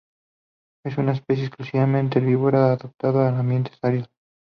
Es una especie exclusivamente herbívora adaptada en ambientes áridos.